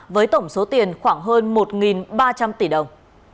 với tổng số tiền khoảng hơn một ba trăm linh tỷ đồng